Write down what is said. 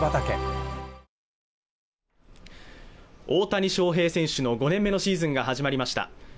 大谷翔平選手の５年目のシーズンが始まりました